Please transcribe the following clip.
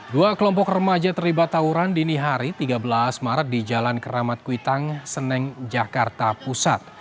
dua kelompok remaja terlibat tawuran dini hari tiga belas maret di jalan keramat kuitang senen jakarta pusat